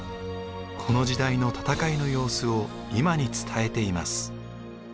この時代の戦いの様子を今に伝えています。